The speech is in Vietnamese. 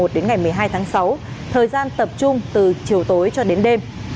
đến ngày một mươi hai tháng sáu thời gian tập trung từ chiều tối cho đến đêm